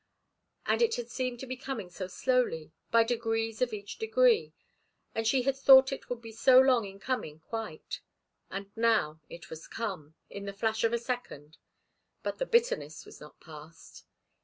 And it had seemed to be coming so slowly, by degrees of each degree, and she had thought it would be so long in coming quite. And now it was come, in the flash of a second. But the bitterness was not past.